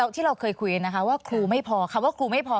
ที่เราเคยคุยนะคะว่าครูไม่พอ